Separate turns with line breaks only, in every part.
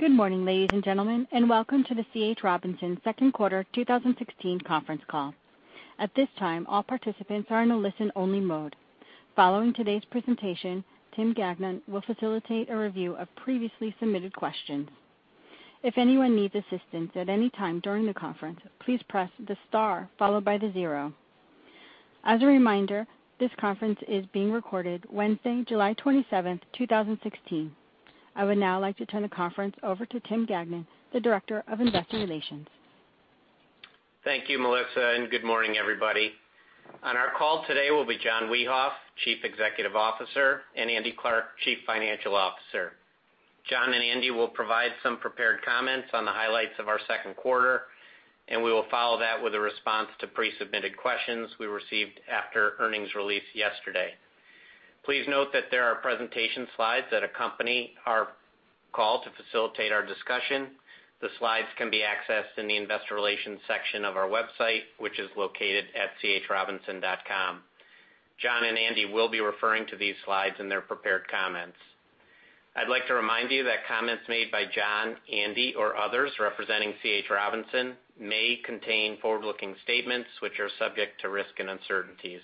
Good morning, ladies and gentlemen, and welcome to the C.H. Robinson second quarter 2016 conference call. At this time, all participants are in a listen only mode. Following today's presentation, Tim Gagnon will facilitate a review of previously submitted questions. If anyone needs assistance at any time during the conference, please press the star followed by the zero. As a reminder, this conference is being recorded Wednesday, July 27, 2016. I would now like to turn the conference over to Tim Gagnon, the Director of Investor Relations.
Thank you, Melissa. Good morning, everybody. On our call today will be John Wiehoff, Chief Executive Officer, and Andrew Clarke, Chief Financial Officer. John and Andy will provide some prepared comments on the highlights of our second quarter. We will follow that with a response to pre-submitted questions we received after earnings release yesterday. Please note that there are presentation slides that accompany our call to facilitate our discussion. The slides can be accessed in the investor relations section of our website, which is located at chrobinson.com. John and Andy will be referring to these slides in their prepared comments. I'd like to remind you that comments made by John, Andy, or others representing C.H. Robinson may contain forward-looking statements, which are subject to risk and uncertainties.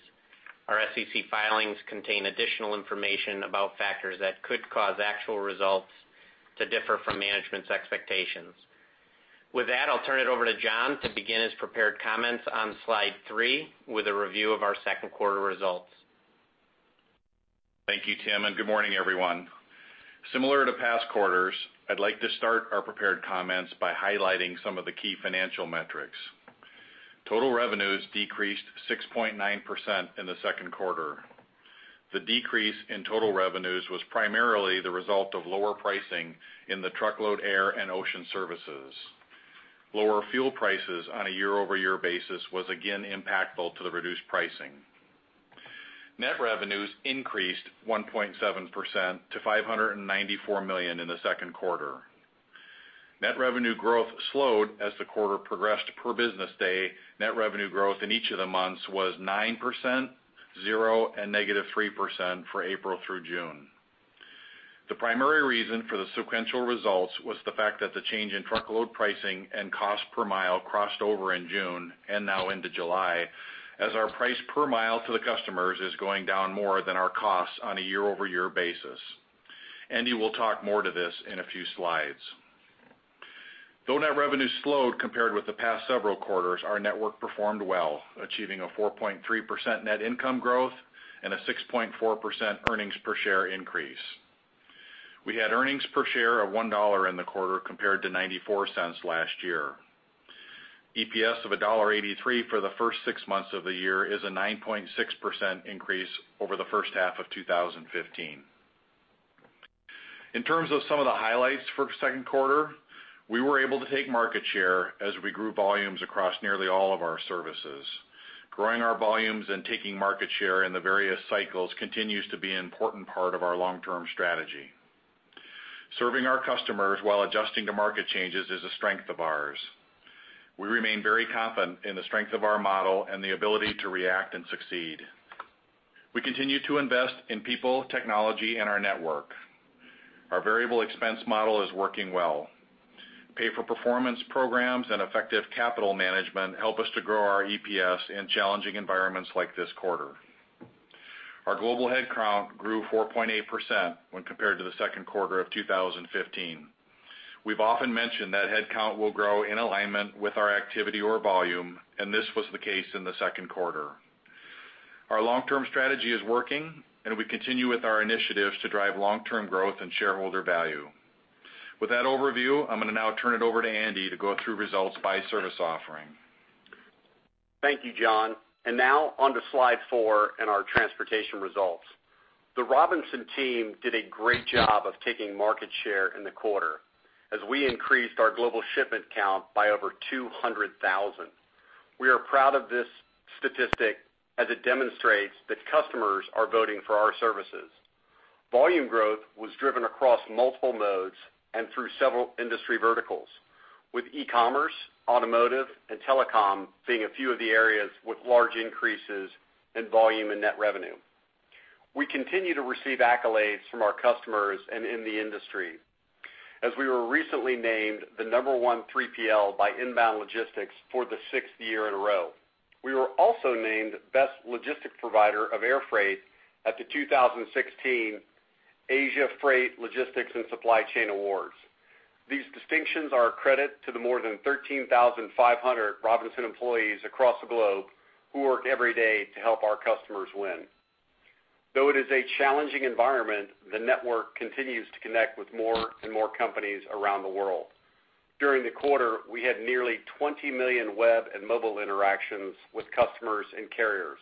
Our SEC filings contain additional information about factors that could cause actual results to differ from management's expectations. With that, I'll turn it over to John to begin his prepared comments on slide three with a review of our second quarter results.
Thank you, Tim. Good morning, everyone. Similar to past quarters, I'd like to start our prepared comments by highlighting some of the key financial metrics. Total revenues decreased 6.9% in the second quarter. The decrease in total revenues was primarily the result of lower pricing in the truckload air and ocean services. Lower fuel prices on a year-over-year basis was again impactful to the reduced pricing. Net revenues increased 1.7% to $594 million in the second quarter. Net revenue growth slowed as the quarter progressed per business day. Net revenue growth in each of the months was 9%, 0%, and -3% for April through June. The primary reason for the sequential results was the fact that the change in truckload pricing and cost per mile crossed over in June and now into July, as our price per mile to the customers is going down more than our costs on a year-over-year basis. Andy will talk more to this in a few slides. Though net revenues slowed compared with the past several quarters, our network performed well, achieving a 4.3% net income growth and a 6.4% earnings per share increase. We had earnings per share of $1 in the quarter compared to $0.94 last year. EPS of $1.83 for the first six months of the year is a 9.6% increase over the first half of 2015. In terms of some of the highlights for second quarter, we were able to take market share as we grew volumes across nearly all of our services. Growing our volumes and taking market share in the various cycles continues to be an important part of our long-term strategy. Serving our customers while adjusting to market changes is a strength of ours. We remain very confident in the strength of our model and the ability to react and succeed. We continue to invest in people, technology, and our network. Our variable expense model is working well. Pay for performance programs and effective capital management help us to grow our EPS in challenging environments like this quarter. Our global headcount grew 4.8% when compared to the second quarter of 2015. We've often mentioned that headcount will grow in alignment with our activity or volume, this was the case in the second quarter. Our long-term strategy is working, we continue with our initiatives to drive long-term growth and shareholder value. With that overview, I'm going to now turn it over to Andy to go through results by service offering.
Thank you, John. Now on to slide four and our transportation results. The Robinson team did a great job of taking market share in the quarter as we increased our global shipment count by over 200,000. We are proud of this statistic as it demonstrates that customers are voting for our services. Volume growth was driven across multiple modes and through several industry verticals, with e-commerce, automotive, and telecom being a few of the areas with large increases in volume and net revenue. We continue to receive accolades from our customers and in the industry, as we were recently named the number one 3PL by Inbound Logistics for the sixth year in a row. We were also named Best Logistic Provider of Air Freight at the 2016 Asia Freight, Logistics and Supply Chain Awards. These distinctions are a credit to the more than 13,500 Robinson employees across the globe who work every day to help our customers win. Though it is a challenging environment, the network continues to connect with more and more companies around the world. During the quarter, we had nearly 20 million web and mobile interactions with customers and carriers.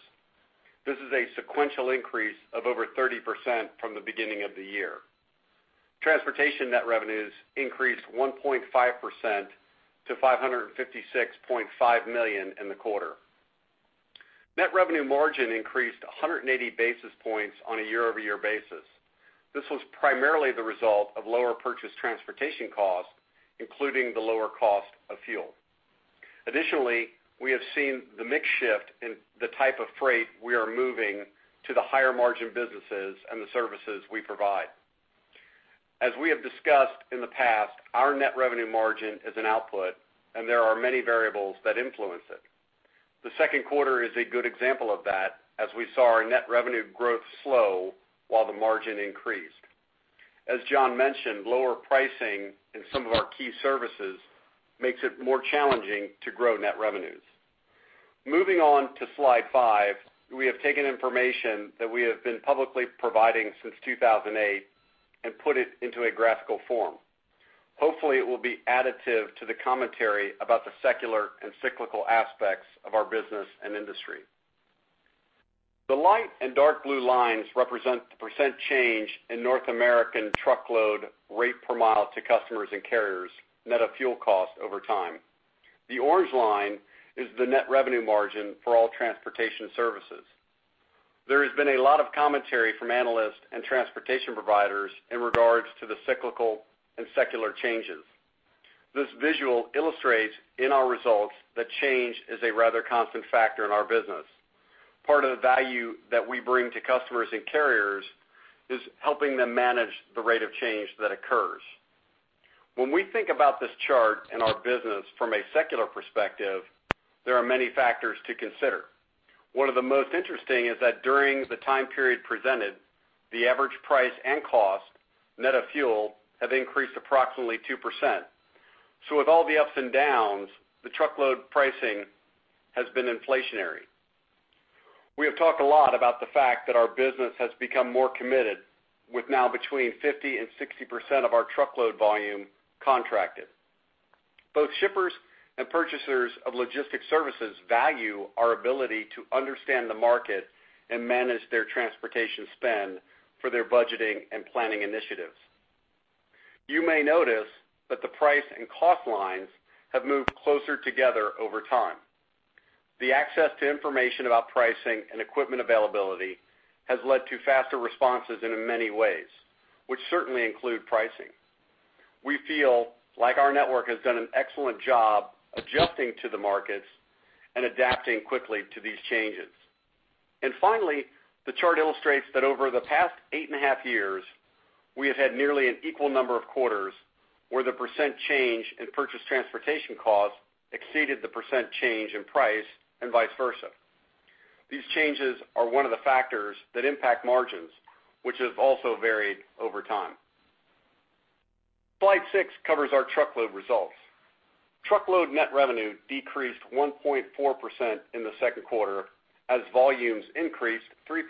This is a sequential increase of over 30% from the beginning of the year. Transportation net revenues increased 1.5% to $556.5 million in the quarter. Net revenue margin increased 180 basis points on a year-over-year basis. This was primarily the result of lower purchase transportation costs, including the lower cost of fuel. We have seen the mix shift in the type of freight we are moving to the higher margin businesses and the services we provide. As we have discussed in the past, our net revenue margin is an output, and there are many variables that influence it. The second quarter is a good example of that, as we saw our net revenue growth slow while the margin increased. As John mentioned, lower pricing in some of our key services makes it more challenging to grow net revenues. Moving on to slide five, we have taken information that we have been publicly providing since 2008 and put it into a graphical form. Hopefully, it will be additive to the commentary about the secular and cyclical aspects of our business and industry. The light and dark blue lines represent the % change in North American truckload rate per mile to customers and carriers, net of fuel cost over time. The orange line is the net revenue margin for all transportation services. There has been a lot of commentary from analysts and transportation providers in regards to the cyclical and secular changes. This visual illustrates in our results that change is a rather constant factor in our business. Part of the value that we bring to customers and carriers is helping them manage the rate of change that occurs. When we think about this chart and our business from a secular perspective, there are many factors to consider. One of the most interesting is that during the time period presented, the average price and cost, net of fuel, have increased approximately 2%. With all the ups and downs, the truckload pricing has been inflationary. We have talked a lot about the fact that our business has become more committed, with now between 50%-60% of our truckload volume contracted. Both shippers and purchasers of logistic services value our ability to understand the market and manage their transportation spend for their budgeting and planning initiatives. You may notice that the price and cost lines have moved closer together over time. The access to information about pricing and equipment availability has led to faster responses in many ways, which certainly include pricing. We feel like our network has done an excellent job adjusting to the markets and adapting quickly to these changes. The chart illustrates that over the past 8 and a half years, we have had nearly an equal number of quarters where the percent change in purchase transportation cost exceeded the percent change in price and vice versa. These changes are one of the factors that impact margins, which has also varied over time. Slide six covers our truckload results. Truckload net revenue decreased 1.4% in the second quarter as volumes increased 3%.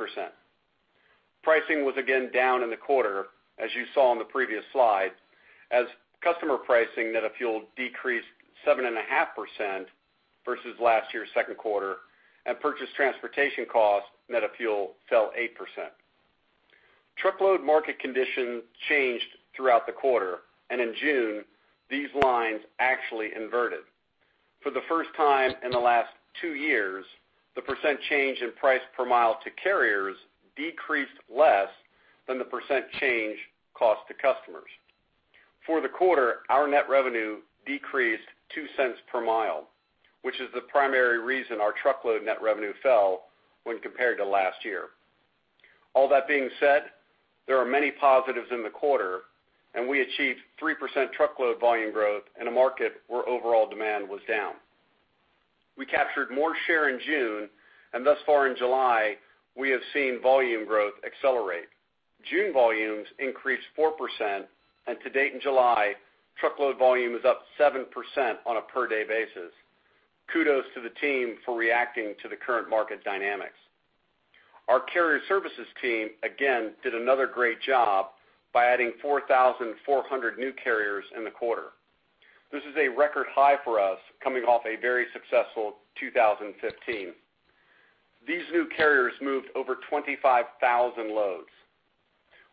Pricing was again down in the quarter, as you saw in the previous slide, as customer pricing net of fuel decreased 7.5% versus last year's second quarter, and purchase transportation cost net of fuel fell 8%. Truckload market condition changed throughout the quarter, and in June, these lines actually inverted. For the first time in the last two years, the percent change in price per mile to carriers decreased less than the percent change cost to customers. For the quarter, our net revenue decreased $0.02 per mile, which is the primary reason our truckload net revenue fell when compared to last year. All that being said, there are many positives in the quarter, and we achieved 3% truckload volume growth in a market where overall demand was down. We captured more share in June, and thus far in July, we have seen volume growth accelerate. June volumes increased 4%, and to date in July, truckload volume is up 7% on a per day basis. Kudos to the team for reacting to the current market dynamics. Our carrier services team, again, did another great job by adding 4,400 new carriers in the quarter. This is a record high for us, coming off a very successful 2015. These new carriers moved over 25,000 loads.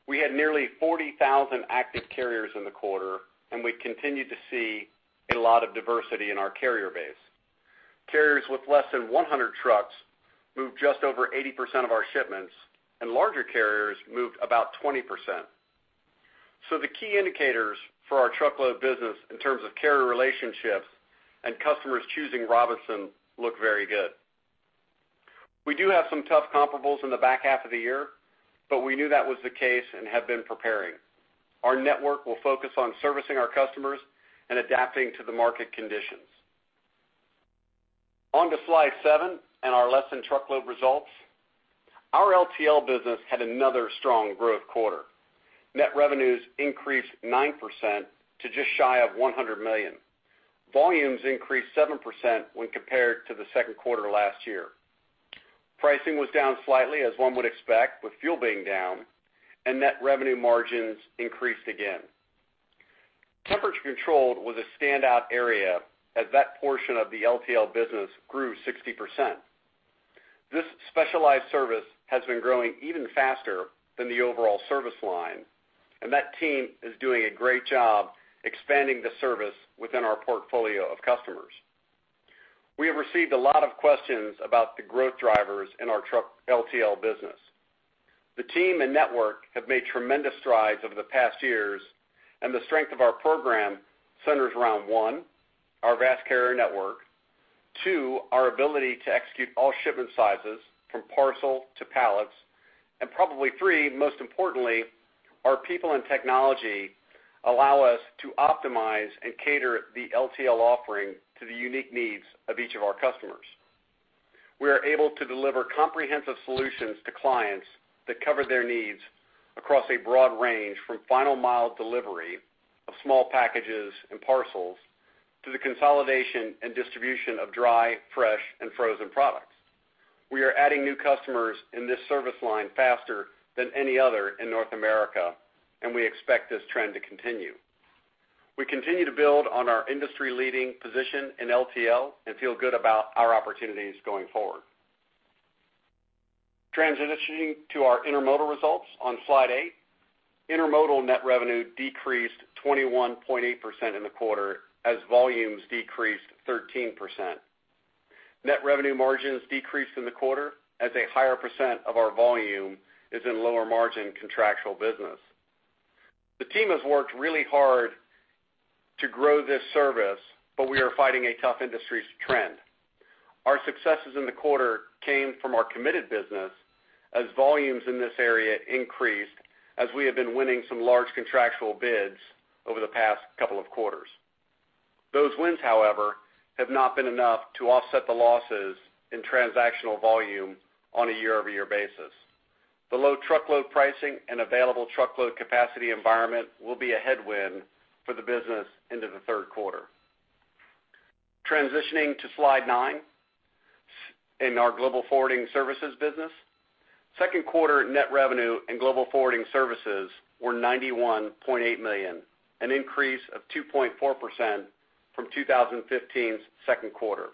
We had nearly 40,000 active carriers in the quarter, and we continue to see a lot of diversity in our carrier base. Carriers with less than 100 trucks moved just over 80% of our shipments, and larger carriers moved about 20%. The key indicators for our truckload business in terms of carrier relationships and customers choosing Robinson look very good. We do have some tough comparables in the back half of the year, but we knew that was the case and have been preparing. Our network will focus on servicing our customers and adapting to the market conditions. On to slide seven and our less than truckload results. Our LTL business had another strong growth quarter. Net revenues increased 9% to just shy of $100 million. Volumes increased 7% when compared to the second quarter last year. Pricing was down slightly, as one would expect with fuel being down, and net revenue margins increased again. Temperature controlled was a standout area, as that portion of the LTL business grew 60%. This specialized service has been growing even faster than the overall service line, and that team is doing a great job expanding the service within our portfolio of customers. We have received a lot of questions about the growth drivers in our LTL business. The team and network have made tremendous strides over the past years, and the strength of our program centers around, one, our vast carrier network, two, our ability to execute all shipment sizes, from parcel to pallets, and probably three, most importantly, our people and technology allow us to optimize and cater the LTL offering to the unique needs of each of our customers. We are able to deliver comprehensive solutions to clients that cover their needs across a broad range, from final mile delivery of small packages and parcels, to the consolidation and distribution of dry, fresh, and frozen products. We are adding new customers in this service line faster than any other in North America, and we expect this trend to continue. We continue to build on our industry-leading position in LTL and feel good about our opportunities going forward. Transitioning to our intermodal results on slide eight, intermodal net revenue decreased 21.8% in the quarter as volumes decreased 13%. Net revenue margins decreased in the quarter as a higher % of our volume is in lower margin contractual business. The team has worked really hard to grow this service, but we are fighting a tough industry trend. Our successes in the quarter came from our committed business, as volumes in this area increased as we have been winning some large contractual bids over the past couple of quarters. Those wins, however, have not been enough to offset the losses in transactional volume on a year-over-year basis. The low truckload pricing and available truckload capacity environment will be a headwind for the business into the third quarter. Transitioning to slide nine in our global forwarding services business. Second quarter net revenue and global forwarding services were $91.8 million, an increase of 2.4% from 2015's second quarter.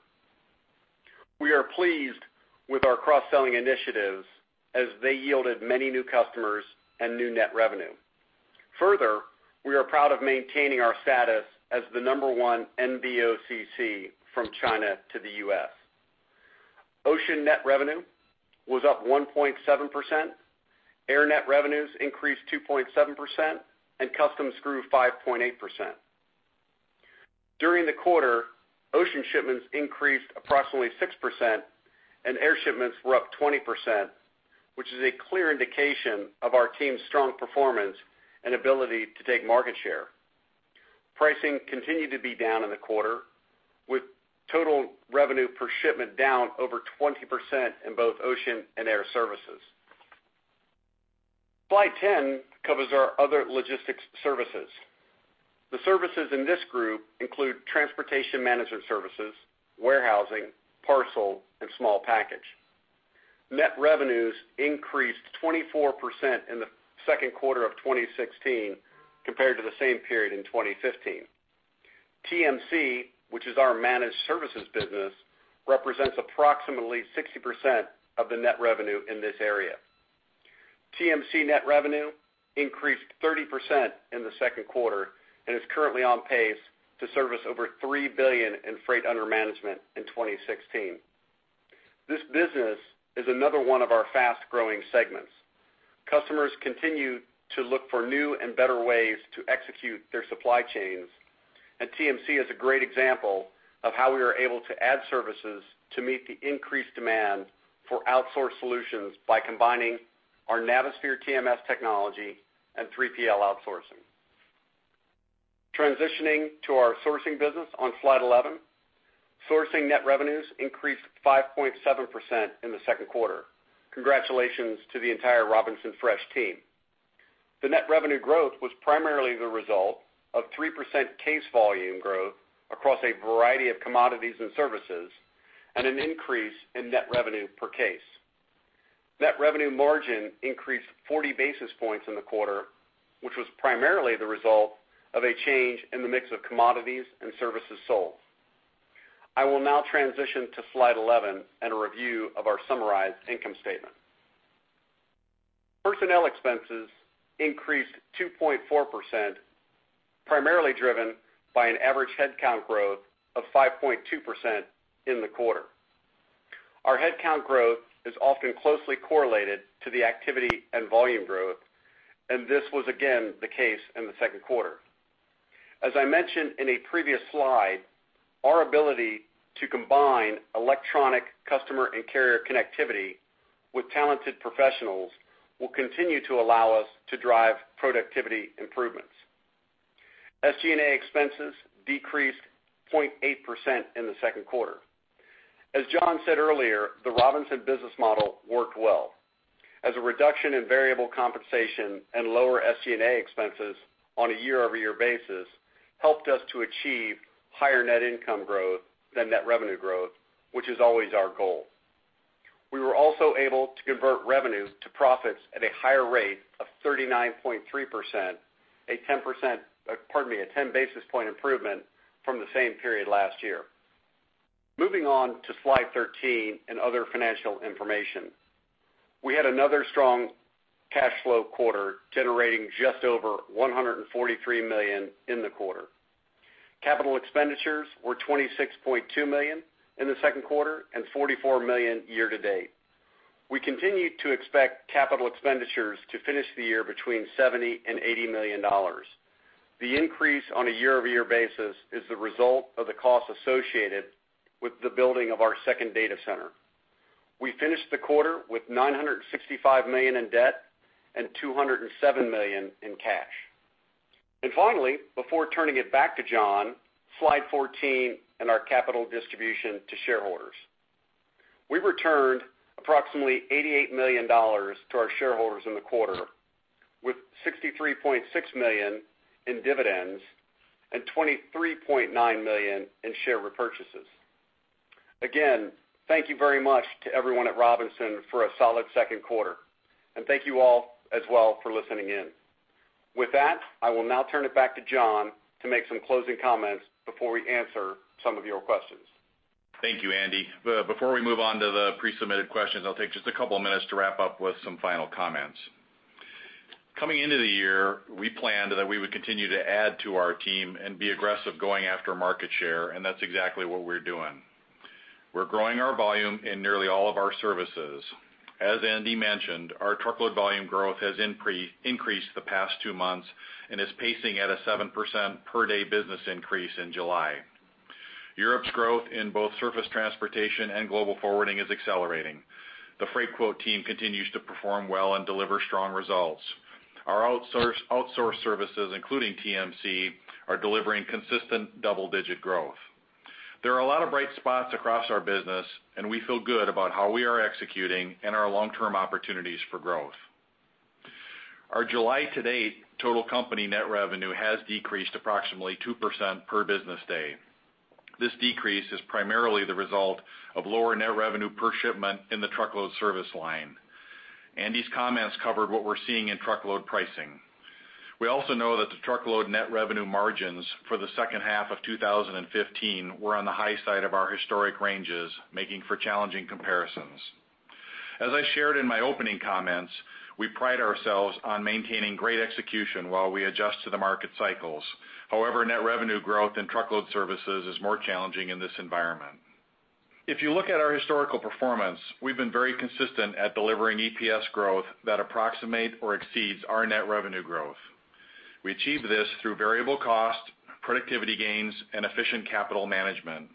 We are pleased with our cross-selling initiatives as they yielded many new customers and new net revenue. Further, we are proud of maintaining our status as the number 1 NVOCC from China to the U.S. Ocean net revenue was up 1.7%, air net revenues increased 2.7%, and customs grew 5.8%. During the quarter, ocean shipments increased approximately 6%, and air shipments were up 20%, which is a clear indication of our team's strong performance and ability to take market share. Pricing continued to be down in the quarter, with total revenue per shipment down over 20% in both ocean and air services. Slide 10 covers our other logistics services. The services in this group include transportation management services, warehousing, parcel, and small package. Net revenues increased 24% in the second quarter of 2016 compared to the same period in 2015. TMC, which is our managed services business, represents approximately 60% of the net revenue in this area. TMC net revenue increased 30% in the second quarter and is currently on pace to service over $3 billion in freight under management in 2016. This business is another one of our fast-growing segments. Customers continue to look for new and better ways to execute their supply chains, and TMC is a great example of how we are able to add services to meet the increased demand for outsourced solutions by combining our Navisphere TMS technology and 3PL outsourcing. Transitioning to our sourcing business on slide 11. Sourcing net revenues increased 5.7% in the second quarter. Congratulations to the entire Robinson Fresh team. The net revenue growth was primarily the result of 3% case volume growth across a variety of commodities and services, and an increase in net revenue per case. Net revenue margin increased 40 basis points in the quarter, which was primarily the result of a change in the mix of commodities and services sold. I will now transition to slide 11 and a review of our summarized income statement. Personnel expenses increased 2.4%, primarily driven by an average headcount growth of 5.2% in the quarter. Our headcount growth is often closely correlated to the activity and volume growth, and this was again the case in the second quarter. As I mentioned in a previous slide, our ability to combine electronic customer and carrier connectivity with talented professionals will continue to allow us to drive productivity improvements. SG&A expenses decreased 0.8% in the second quarter. As John said earlier, the Robinson business model worked well. A reduction in variable compensation and lower SG&A expenses on a year-over-year basis helped us to achieve higher net income growth than net revenue growth, which is always our goal. We were also able to convert revenue to profits at a higher rate of 39.3%, a 10 basis point improvement from the same period last year. Moving on to slide 13 and other financial information. We had another strong cash flow quarter, generating just over $143 million in the quarter. Capital expenditures were $26.2 million in the second quarter and $44 million year to date. We continue to expect capital expenditures to finish the year between $70 million-$80 million. The increase on a year-over-year basis is the result of the costs associated with the building of our second data center. We finished the quarter with $965 million in debt and $207 million in cash. Finally, before turning it back to John, slide 14 and our capital distribution to shareholders. We returned approximately $88 million to our shareholders in the quarter, with $63.6 million in dividends and $23.9 million in share repurchases. Again, thank you very much to everyone at Robinson for a solid second quarter. Thank you all as well for listening in. With that, I will now turn it back to John to make some closing comments before we answer some of your questions.
Thank you, Andy. Before we move on to the pre-submitted questions, I'll take just a couple of minutes to wrap up with some final comments. Coming into the year, we planned that we would continue to add to our team and be aggressive going after market share, and that's exactly what we're doing. We're growing our volume in nearly all of our services. As Andy mentioned, our truckload volume growth has increased the past two months and is pacing at a 7% per day business increase in July. Europe's growth in both surface transportation and global forwarding is accelerating. The Freightquote team continues to perform well and deliver strong results. Our outsourced services, including TMC, are delivering consistent double-digit growth. There are a lot of bright spots across our business, and we feel good about how we are executing and our long-term opportunities for growth. Our July to date total company net revenue has decreased approximately 2% per business day. This decrease is primarily the result of lower net revenue per shipment in the truckload service line. Andy's comments covered what we're seeing in truckload pricing. We also know that the truckload net revenue margins for the second half of 2015 were on the high side of our historic ranges, making for challenging comparisons. As I shared in my opening comments, we pride ourselves on maintaining great execution while we adjust to the market cycles. Net revenue growth in truckload services is more challenging in this environment. If you look at our historical performance, we've been very consistent at delivering EPS growth that approximates or exceeds our net revenue growth. We achieve this through variable cost, productivity gains, and efficient capital management.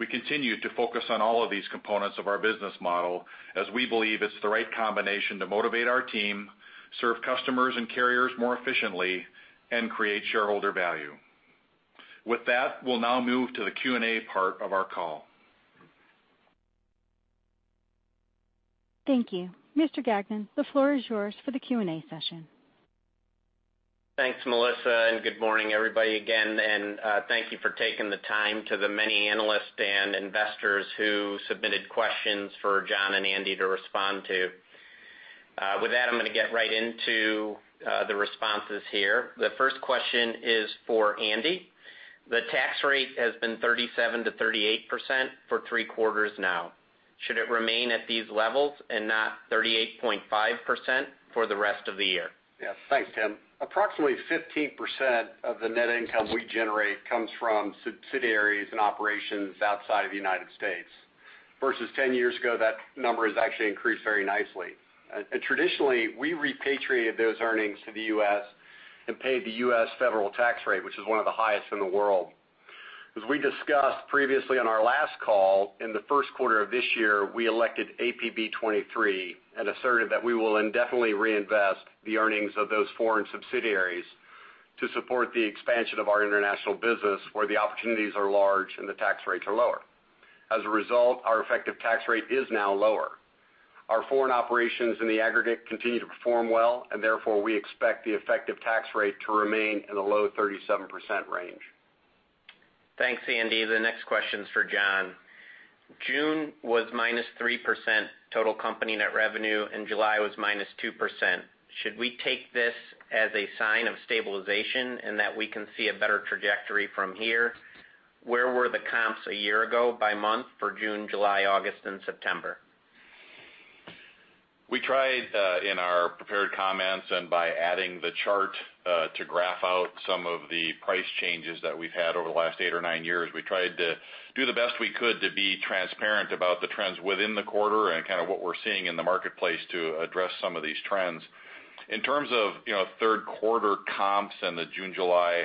We continue to focus on all of these components of our business model as we believe it's the right combination to motivate our team, serve customers and carriers more efficiently, and create shareholder value. With that, we'll now move to the Q&A part of our call.
Thank you. Mr. Gagnon, the floor is yours for the Q&A session.
Thanks, Melissa. Good morning, everybody again, and thank you for taking the time to the many analysts and investors who submitted questions for John and Andy to respond to. With that, I'm going to get right into the responses here. The first question is for Andy. The tax rate has been 37%-38% for three quarters now. Should it remain at these levels and not 38.5% for the rest of the year?
Yes. Thanks, Tim. Approximately 15% of the net income we generate comes from subsidiaries and operations outside of the United States. Versus 10 years ago, that number has actually increased very nicely. Traditionally, we repatriated those earnings to the U.S. and paid the U.S. federal tax rate, which is one of the highest in the world. As we discussed previously on our last call, in the first quarter of this year, we elected APB 23 and asserted that we will indefinitely reinvest the earnings of those foreign subsidiaries to support the expansion of our international business where the opportunities are large and the tax rates are lower. As a result, our effective tax rate is now lower. Our foreign operations in the aggregate continue to perform well, therefore, we expect the effective tax rate to remain in the low 37% range.
Thanks, Andy. The next question is for John. June was -3% total company net revenue, and July was -2%. Should we take this as a sign of stabilization and that we can see a better trajectory from here? Where were the comps a year ago by month for June, July, August, and September?
We tried in our prepared comments and by adding the chart to graph out some of the price changes that we've had over the last eight or nine years. We tried to do the best we could to be transparent about the trends within the quarter and what we're seeing in the marketplace to address some of these trends. In terms of third quarter comps and the June, July,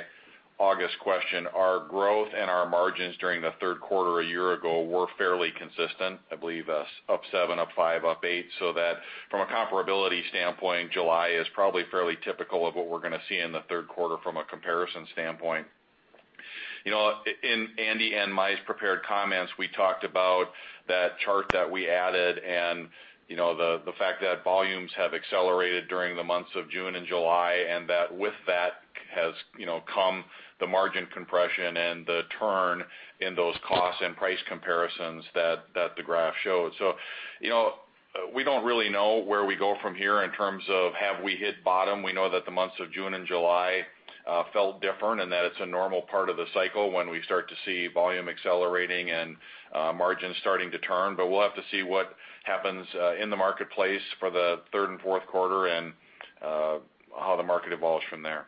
August question, our growth and our margins during the third quarter a year ago were fairly consistent. I believe up seven, up five, up eight, so that from a comparability standpoint, July is probably fairly typical of what we're going to see in the third quarter from a comparison standpoint. In Andy and my prepared comments, we talked about that chart that we added and the fact that volumes have accelerated during the months of June and July, and that with that has come the margin compression and the turn in those costs and price comparisons that the graph showed. We don't really know where we go from here in terms of have we hit bottom. We know that the months of June and July felt different and that it's a normal part of the cycle when we start to see volume accelerating and margins starting to turn. We'll have to see what happens in the marketplace for the third and fourth quarter and how the market evolves from there.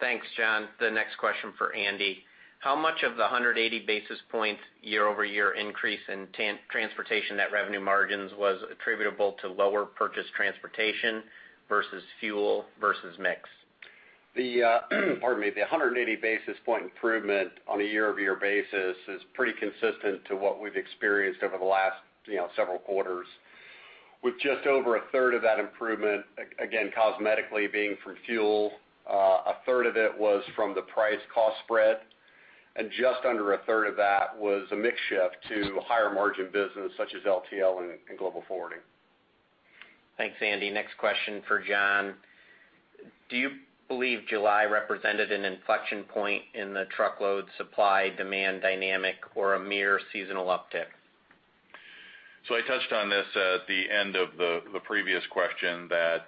Thanks, John. The next question for Andy. How much of the 180 basis points year-over-year increase in transportation net revenue margins was attributable to lower purchase transportation versus fuel versus mix?
The 180 basis point improvement on a year-over-year basis is pretty consistent to what we've experienced over the last several quarters. With just over a third of that improvement, again, cosmetically being from fuel, a third of it was from the price cost spread, and just under a third of that was a mix shift to higher margin business such as LTL and global forwarding.
Thanks, Andy. Next question for John. Do you believe July represented an inflection point in the truckload supply-demand dynamic or a mere seasonal uptick?
I touched on this at the end of the previous question that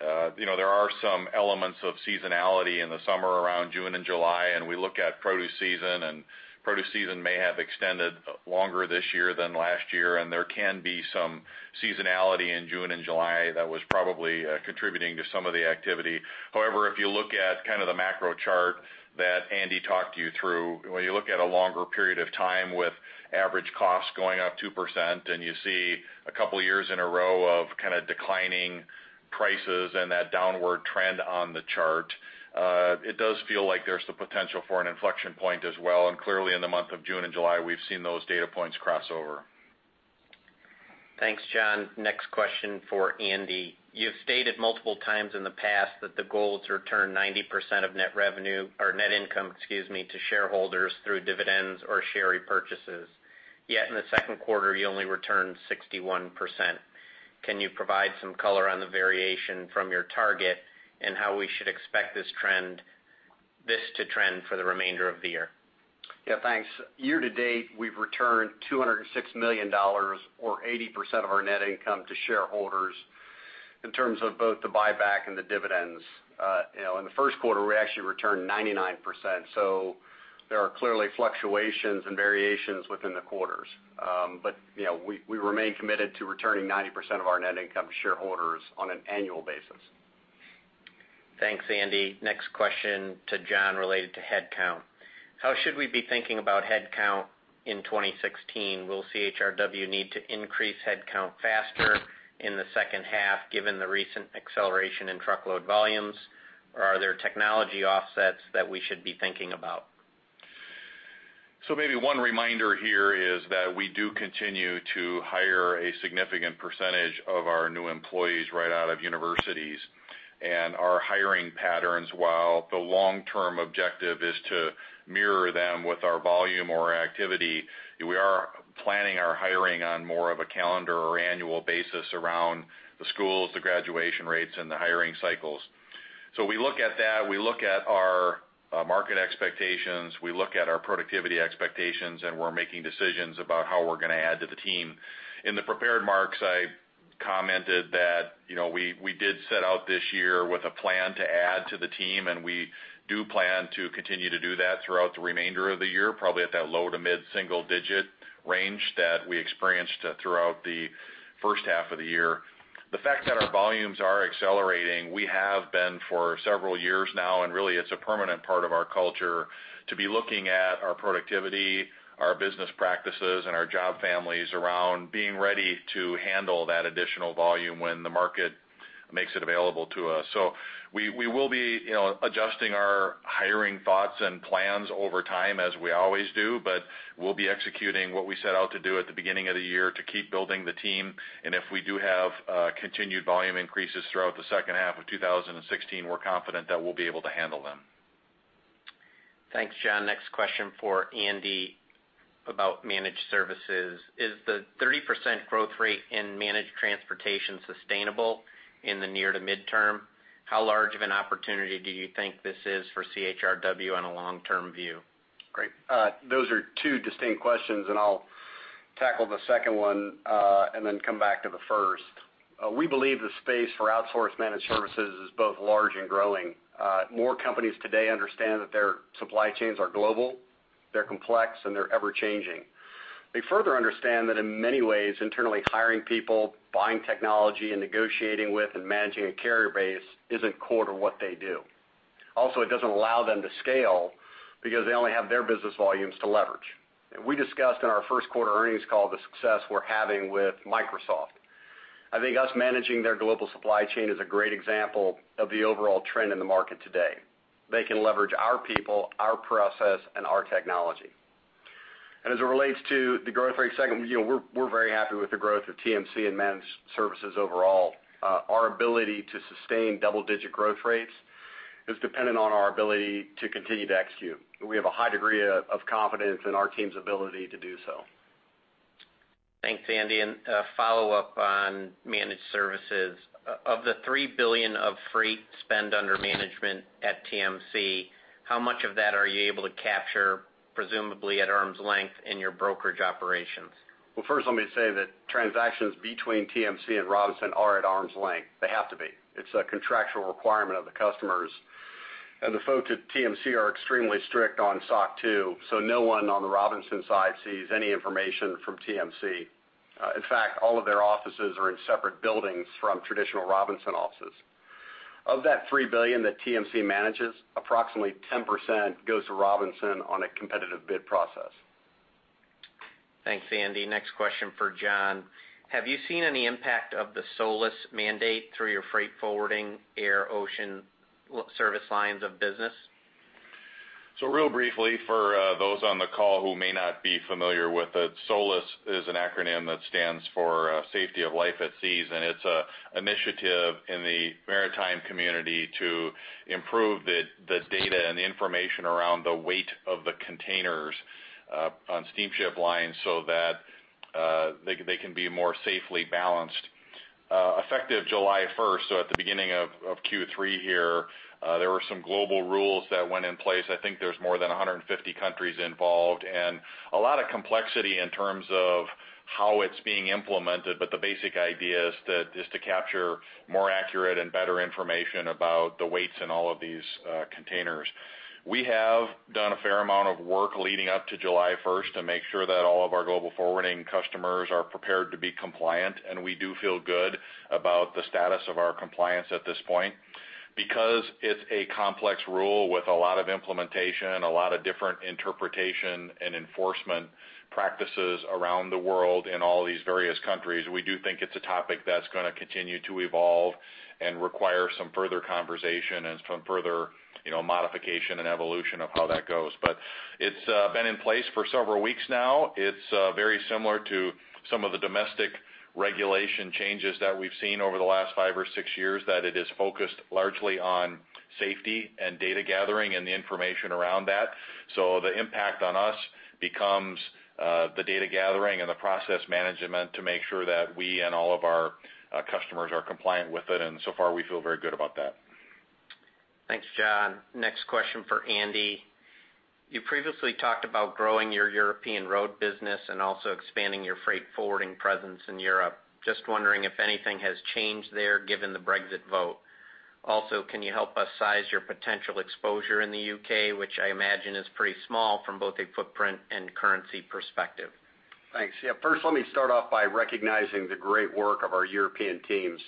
there are some elements of seasonality in the summer around June and July, and we look at produce season, and produce season may have extended longer this year than last year, and there can be some seasonality in June and July that was probably contributing to some of the activity. However, if you look at the macro chart that Andy talked you through, when you look at a longer period of time with average costs going up 2%, and you see a couple of years in a row of declining prices and that downward trend on the chart, it does feel like there's the potential for an inflection point as well. Clearly in the month of June and July, we've seen those data points cross over.
Thanks, John. Next question for Andy. You have stated multiple times in the past that the goal is to return 90% of net revenue or net income, excuse me, to shareholders through dividends or share repurchases. Yet in the second quarter, you only returned 61%. Can you provide some color on the variation from your target and how we should expect this to trend for the remainder of the year?
Yeah, thanks. Year-to-date, we've returned $206 million or 80% of our net income to shareholders in terms of both the buyback and the dividends. In the first quarter, we actually returned 99%, there are clearly fluctuations and variations within the quarters. We remain committed to returning 90% of our net income to shareholders on an annual basis.
Thanks, Andy. Next question to John, related to headcount. How should we be thinking about headcount in 2016? Will CHRW need to increase headcount faster in the second half, given the recent acceleration in truckload volumes? Are there technology offsets that we should be thinking about?
Maybe one reminder here is that we do continue to hire a significant percentage of our new employees right out of universities. Our hiring patterns, while the long-term objective is to mirror them with our volume or activity, we are planning our hiring on more of a calendar or annual basis around the schools, the graduation rates, and the hiring cycles. We look at that, we look at our market expectations, we look at our productivity expectations, and we're making decisions about how we're going to add to the team. In the prepared remarks, I commented that we did set out this year with a plan to add to the team, and we do plan to continue to do that throughout the remainder of the year, probably at that low to mid-single digit range that we experienced throughout the first half of the year. The fact that our volumes are accelerating, we have been for several years now. Really it's a permanent part of our culture to be looking at our productivity, our business practices, and our job families around being ready to handle that additional volume when the market makes it available to us. We will be adjusting our hiring thoughts and plans over time as we always do, but we'll be executing what we set out to do at the beginning of the year to keep building the team. If we do have continued volume increases throughout the second half of 2016, we're confident that we'll be able to handle them.
Thanks, John. Next question for Andy about managed services. Is the 30% growth rate in managed transportation sustainable in the near to midterm? How large of an opportunity do you think this is for CHRW on a long-term view?
Great. Those are two distinct questions. I'll tackle the second one and then come back to the first. We believe the space for outsourced managed services is both large and growing. More companies today understand that their supply chains are global, they're complex, and they're ever-changing. They further understand that in many ways, internally hiring people, buying technology, and negotiating with and managing a carrier base isn't core to what they do. It doesn't allow them to scale because they only have their business volumes to leverage. We discussed in our first quarter earnings call the success we're having with Microsoft. I think us managing their global supply chain is a great example of the overall trend in the market today. They can leverage our people, our process, and our technology. As it relates to the growth rate segment, we're very happy with the growth of TMC and managed services overall. Our ability to sustain double-digit growth rates is dependent on our ability to continue to execute. We have a high degree of confidence in our team's ability to do so.
Thanks, Andy. A follow-up on managed services. Of the $3 billion of freight spend under management at TMC, how much of that are you able to capture, presumably at arm's length, in your brokerage operations?
Well, first let me say that transactions between TMC and Robinson are at arm's length. They have to be. It's a contractual requirement of the customers. The folks at TMC are extremely strict on SOC 2, so no one on the Robinson side sees any information from TMC. In fact, all of their offices are in separate buildings from traditional Robinson offices. Of that $3 billion that TMC manages, approximately 10% goes to Robinson on a competitive bid process.
Thanks, Andy. Next question for John. Have you seen any impact of the SOLAS mandate through your freight forwarding air ocean service lines of business?
Real briefly, for those on the call who may not be familiar with it, SOLAS is an acronym that stands for, Safety of Life at Sea, and it's an initiative in the maritime community to improve the data and the information around the weight of the containers on steamship lines so that they can be more safely balanced. Effective July 1st, at the beginning of Q3 here, there were some global rules that went in place. I think there's more than 150 countries involved, and a lot of complexity in terms of how it's being implemented, but the basic idea is to capture more accurate and better information about the weights in all of these containers. We have done a fair amount of work leading up to July 1st to make sure that all of our global forwarding customers are prepared to be compliant, and we do feel good about the status of our compliance at this point. Because it's a complex rule with a lot of implementation, a lot of different interpretation and enforcement practices around the world in all these various countries, we do think it's a topic that's going to continue to evolve and require some further conversation and some further modification and evolution of how that goes. It's been in place for several weeks now. It's very similar to some of the domestic regulation changes that we've seen over the last five or six years, that it is focused largely on safety and data gathering and the information around that. The impact on us becomes the data gathering and the process management to make sure that we and all of our customers are compliant with it, and so far, we feel very good about that.
Thanks, John. Next question for Andy. You previously talked about growing your European road business and also expanding your freight forwarding presence in Europe. Just wondering if anything has changed there given the Brexit vote. Also, can you help us size your potential exposure in the U.K., which I imagine is pretty small from both a footprint and currency perspective?
Thanks. Yeah, first, let me start off by recognizing the great work of our European teams.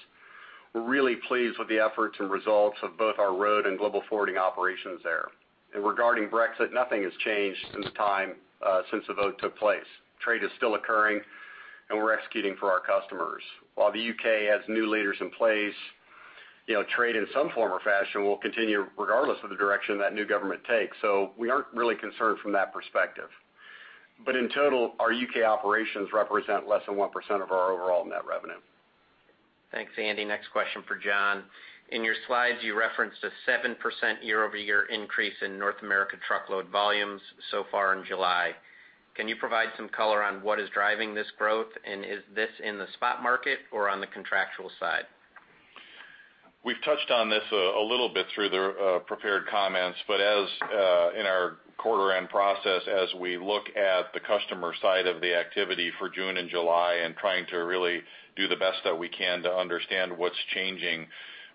We're really pleased with the efforts and results of both our road and global forwarding operations there. Regarding Brexit, nothing has changed since the vote took place. Trade is still occurring, and we're executing for our customers. While the U.K. has new leaders in place, trade in some form or fashion will continue regardless of the direction that new government takes. We aren't really concerned from that perspective. In total, our U.K. operations represent less than 1% of our overall net revenue.
Thanks, Andy. Next question for John. In your slides, you referenced a 7% year-over-year increase in North America truckload volumes so far in July. Can you provide some color on what is driving this growth, and is this in the spot market or on the contractual side?
We've touched on this a little bit through the prepared comments, in our quarter end process, as we look at the customer side of the activity for June and July and trying to really do the best that we can to understand what's changing,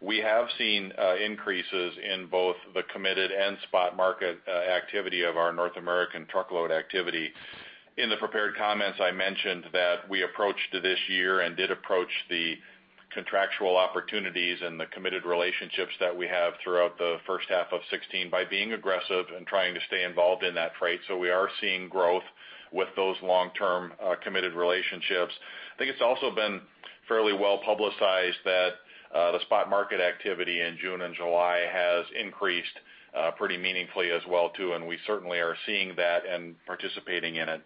we have seen increases in both the committed and spot market activity of our North American truckload activity. In the prepared comments, I mentioned that we approached this year and did approach the contractual opportunities and the committed relationships that we have throughout the first half of 2016 by being aggressive and trying to stay involved in that freight. We are seeing growth with those long-term committed relationships. I think it's also been fairly well-publicized that the spot market activity in June and July has increased pretty meaningfully as well too, and we certainly are seeing that and participating in it.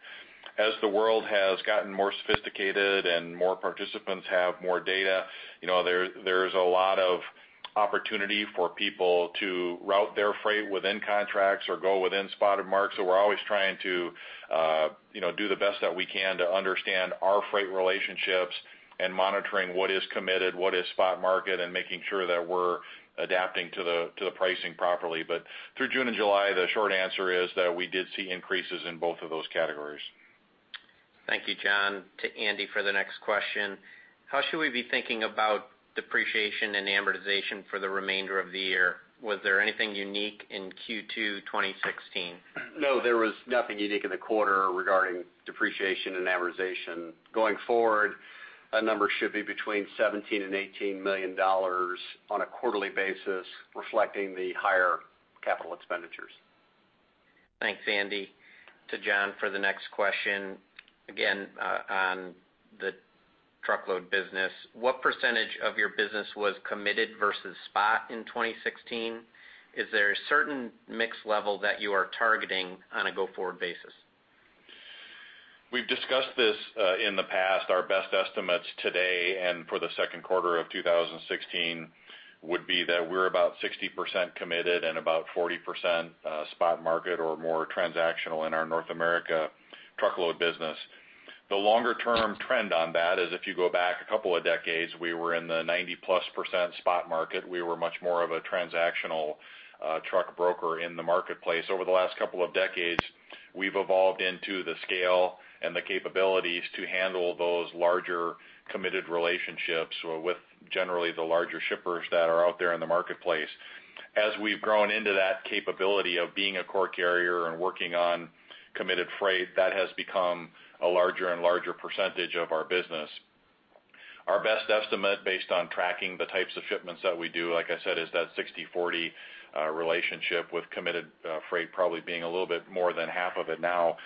As the world has gotten more sophisticated and more participants have more data, there's a lot of opportunity for people to route their freight within contracts or go within spot markets, we're always trying to do the best that we can to understand our freight relationships and monitoring what is committed, what is spot market, and making sure that we're adapting to the pricing properly. Through June and July, the short answer is that we did see increases in both of those categories.
Thank you, John. To Andy for the next question. How should we be thinking about depreciation and amortization for the remainder of the year? Was there anything unique in Q2 2016?
There was nothing unique in the quarter regarding depreciation and amortization. Going forward, that number should be between $17 million and $18 million on a quarterly basis, reflecting the higher capital expenditures.
Thanks, Andrew. To John for the next question, again, on the truckload business. What % of your business was committed versus spot in 2016? Is there a certain mix level that you are targeting on a go-forward basis?
We've discussed this in the past. Our best estimates today and for the second quarter of 2016 would be that we're about 60% committed and about 40% spot market or more transactional in our North America truckload business. The longer-term trend on that is if you go back a couple of decades, we were in the 90-plus % spot market. We were much more of a transactional truck broker in the marketplace. Over the last couple of decades, we've evolved into the scale and the capabilities to handle those larger committed relationships with generally the larger shippers that are out there in the marketplace. As we've grown into that capability of being a core carrier and working on committed freight, that has become a larger and larger % of our business. Our best estimate, based on tracking the types of shipments that we do, like I said, is that 60/40 relationship with committed freight probably being a little bit more than half of it now.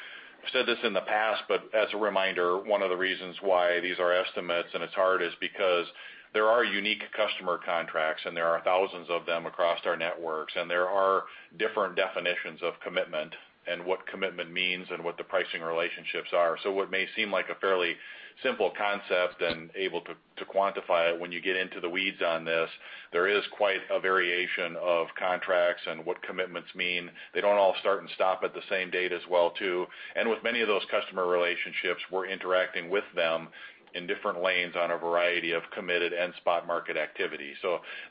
I've said this in the past, but as a reminder, one of the reasons why these are estimates and it's hard is because there are unique customer contracts, and there are thousands of them across our networks, and there are different definitions of commitment and what commitment means and what the pricing relationships are. What may seem like a fairly simple concept and able to quantify it, when you get into the weeds on this, there is quite a variation of contracts and what commitments mean. They don't all start and stop at the same date as well, too. With many of those customer relationships, we're interacting with them in different lanes on a variety of committed and spot market activity.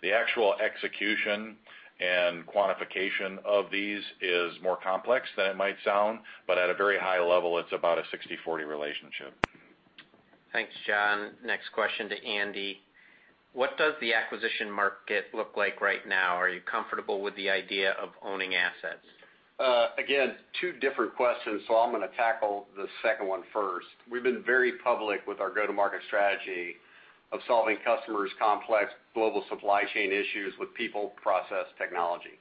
The actual execution and quantification of these is more complex than it might sound, but at a very high level, it's about a 60/40 relationship.
Thanks, John. Next question to Andy. What does the acquisition market look like right now? Are you comfortable with the idea of owning assets?
Again, two different questions, I'm going to tackle the second one first. We've been very public with our go-to-market strategy of solving customers' complex global supply chain issues with people, process, technology.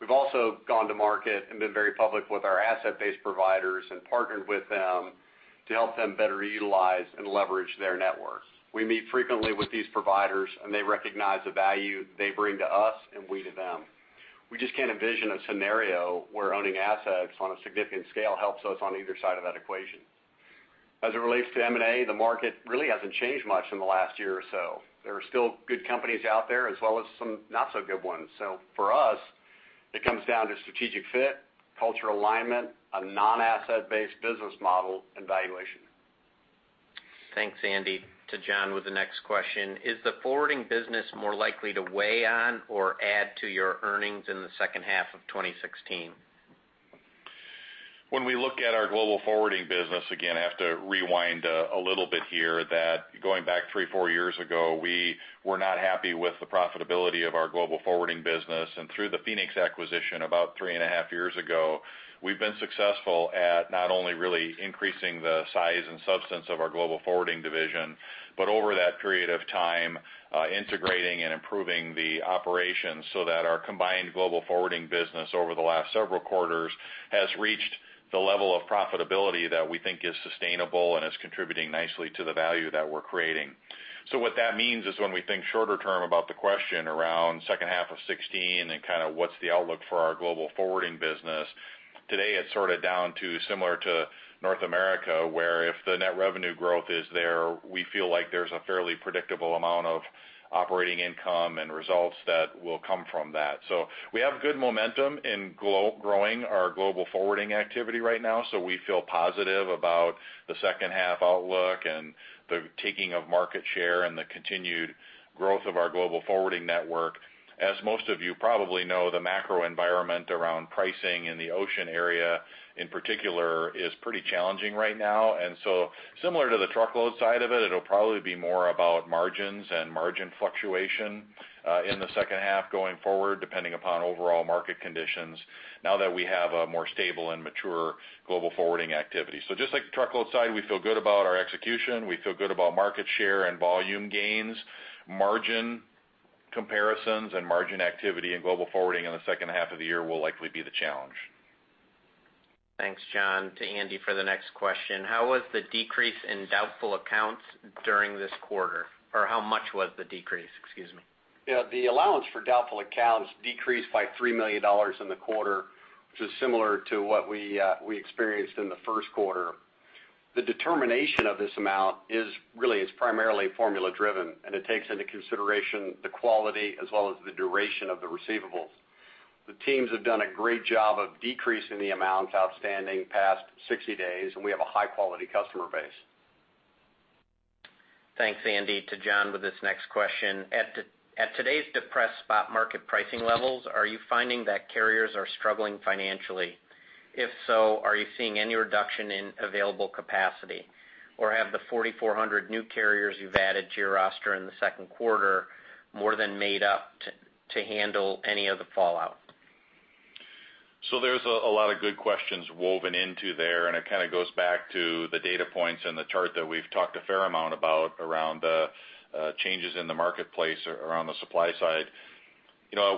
We've also gone to market and been very public with our asset-based providers and partnered with them to help them better utilize and leverage their networks. We meet frequently with these providers, and they recognize the value they bring to us and we to them. We just can't envision a scenario where owning assets on a significant scale helps us on either side of that equation. As it relates to M&A, the market really hasn't changed much in the last year or so. There are still good companies out there, as well as some not-so-good ones. For us, it comes down to strategic fit, culture alignment, a non-asset-based business model, and valuation.
Thanks, Andy. To John with the next question. Is the forwarding business more likely to weigh on or add to your earnings in the second half of 2016?
When we look at our global forwarding business, again, I have to rewind a little bit here that going back three, four years ago, we were not happy with the profitability of our global forwarding business. Through the Phoenix acquisition about three and a half years ago, we've been successful at not only really increasing the size and substance of our global forwarding division, but over that period of time, integrating and improving the operations so that our combined global forwarding business over the last several quarters has reached the level of profitability that we think is sustainable and is contributing nicely to the value that we're creating. What that means is when we think shorter term about the question around second half of 2016 and what's the outlook for our global forwarding business, today it's down to similar to North America, where if the net revenue growth is there, we feel like there's a fairly predictable amount of operating income and results that will come from that. We have good momentum in growing our global forwarding activity right now. We feel positive about the second half outlook and the taking of market share and the continued growth of our global forwarding network. As most of you probably know, the macro environment around pricing in the ocean area, in particular, is pretty challenging right now. Similar to the truckload side of it'll probably be more about margins and margin fluctuation in the second half going forward, depending upon overall market conditions now that we have a more stable and mature global forwarding activity. Just like the truckload side, we feel good about our execution. We feel good about market share and volume gains. Margin comparisons and margin activity in global forwarding in the second half of the year will likely be the challenge.
Thanks, John. To Andy for the next question. How was the decrease in doubtful accounts during this quarter? Or how much was the decrease? Excuse me.
The allowance for doubtful accounts decreased by $3 million in the quarter, which is similar to what we experienced in the first quarter. The determination of this amount really is primarily formula-driven, and it takes into consideration the quality as well as the duration of the receivables. The teams have done a great job of decreasing the amounts outstanding past 60 days, and we have a high-quality customer base.
Thanks, Andy. To John with this next question. At today's depressed spot market pricing levels, are you finding that carriers are struggling financially? If so, are you seeing any reduction in available capacity? Have the 4,400 new carriers you've added to your roster in the second quarter more than made up to handle any of the fallout?
There's a lot of good questions woven into there, it kind of goes back to the data points and the chart that we've talked a fair amount about around the changes in the marketplace around the supply side.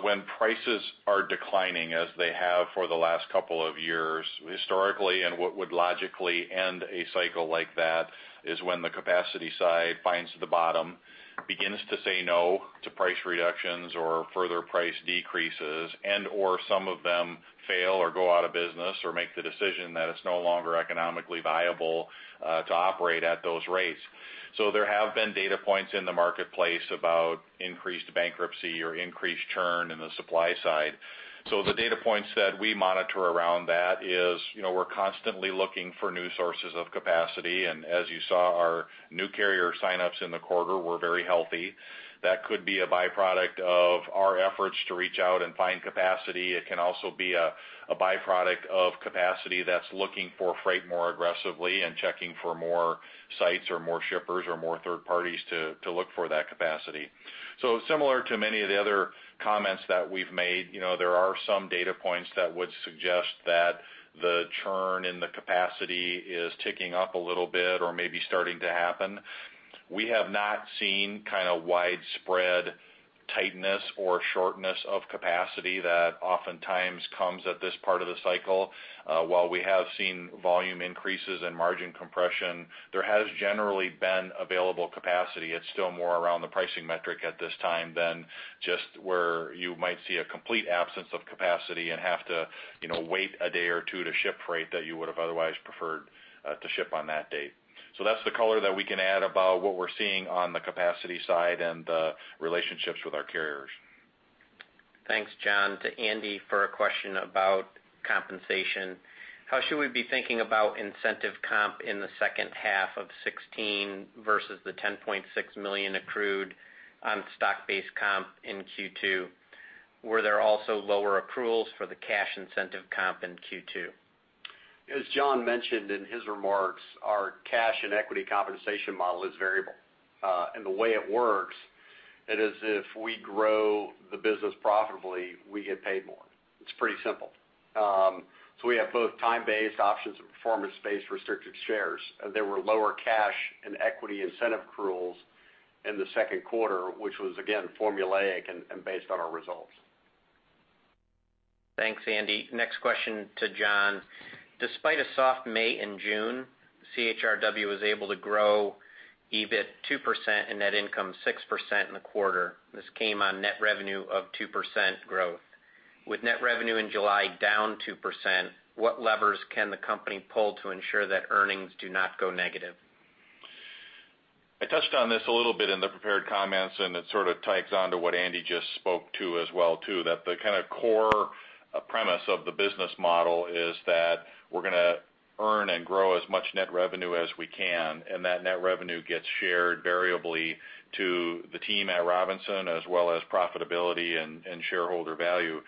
When prices are declining, as they have for the last couple of years, historically, what would logically end a cycle like that is when the capacity side finds the bottom, begins to say no to price reductions or further price decreases, and/or some of them fail or go out of business or make the decision that it's no longer economically viable to operate at those rates. There have been data points in the marketplace about increased bankruptcy or increased churn in the supply side. The data points that we monitor around that is we're constantly looking for new sources of capacity, as you saw, our new carrier sign-ups in the quarter were very healthy. That could be a byproduct of our efforts to reach out and find capacity. It can also be a byproduct of capacity that's looking for freight more aggressively and checking for more sites or more shippers or more third parties to look for that capacity. Similar to many of the other comments that we've made, there are some data points that would suggest that the churn in the capacity is ticking up a little bit or maybe starting to happen. We have not seen widespread tightness or shortness of capacity that oftentimes comes at this part of the cycle. While we have seen volume increases in margin compression, there has generally been available capacity. It's still more around the pricing metric at this time than just where you might see a complete absence of capacity and have to wait a day or two to ship freight that you would have otherwise preferred to ship on that date. That's the color that we can add about what we're seeing on the capacity side and the relationships with our carriers.
Thanks, John. To Andy for a question about compensation. How should we be thinking about incentive comp in the second half of 2016 versus the $10.6 million accrued on stock-based comp in Q2? Were there also lower accruals for the cash incentive comp in Q2?
As John mentioned in his remarks, our cash and equity compensation model is variable. The way it works, it is if we grow the business profitably, we get paid more. It's pretty simple. We have both time-based options and performance-based restricted shares. There were lower cash and equity incentive accruals in the second quarter, which was again, formulaic and based on our results.
Thanks, Andy. Next question to John. Despite a soft May and June, CHRW was able to grow EBIT 2% and net income 6% in the quarter. This came on net revenue of 2% growth. With net revenue in July down 2%, what levers can the company pull to ensure that earnings do not go negative?
I touched on this a little bit in the prepared comments, and it sort of ties on to what Andy just spoke to as well too, that the kind of core premise of the business model is that we're going to earn and grow as much net revenue as we can, and that net revenue gets shared variably to the team at Robinson as well as profitability and shareholder value.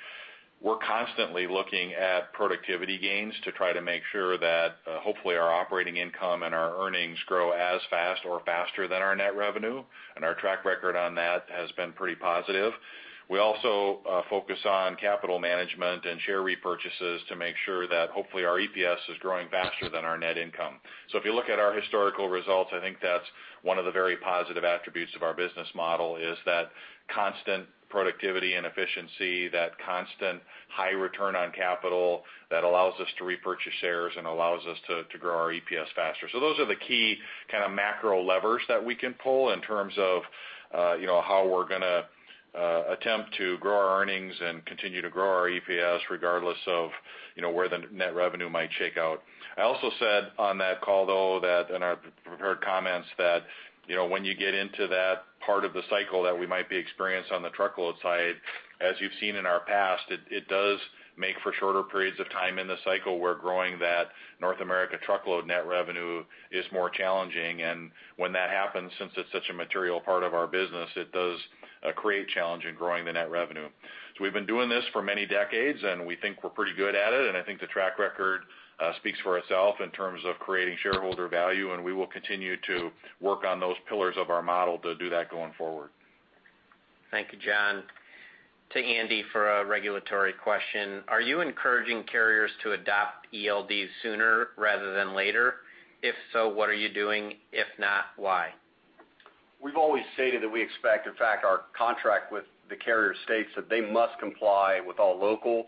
We're constantly looking at productivity gains to try to make sure that hopefully our operating income and our earnings grow as fast or faster than our net revenue, and our track record on that has been pretty positive. We also focus on capital management and share repurchases to make sure that hopefully our EPS is growing faster than our net income. If you look at our historical results, I think that's one of the very positive attributes of our business model, is that constant productivity and efficiency, that constant high return on capital that allows us to repurchase shares and allows us to grow our EPS faster. Those are the key kind of macro levers that we can pull in terms of how we're going to attempt to grow our earnings and continue to grow our EPS regardless of where the net revenue might shake out. I also said on that call, though, that in our prepared comments that when you get into that part of the cycle that we might be experienced on the truckload side, as you've seen in our past, it does make for shorter periods of time in the cycle. We're growing that North America truckload net revenue is more challenging, and when that happens, since it's such a material part of our business, it does create challenge in growing the net revenue. We've been doing this for many decades, and we think we're pretty good at it, and I think the track record speaks for itself in terms of creating shareholder value, and we will continue to work on those pillars of our model to do that going forward.
Thank you, John. To Andy for a regulatory question. Are you encouraging carriers to adopt ELDs sooner rather than later? If so, what are you doing? If not, why?
We've always stated that we expect, in fact, our contract with the carrier states that they must comply with all local,